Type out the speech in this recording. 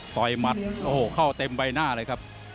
หมัดโอ้โหเข้าเต็มใบหน้าเลยครับ